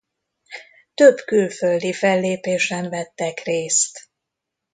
Több külföldi fellépésen vettek részt.